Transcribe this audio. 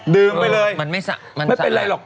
ดื่มไปเลยไม่เป็นไรหรอก